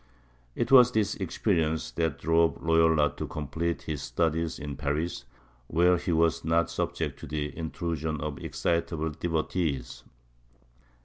It was this experience that drove Loyola to complete his studies in Paris, where he was not subject to the intrusion of excitable devotees.